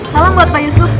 salam buat pak yusuf